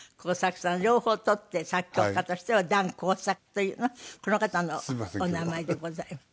両方取って作曲家としては弾厚作というのはこの方のお名前でございます。